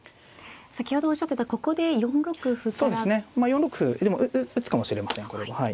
４六歩でも打つかもしれませんこれははい。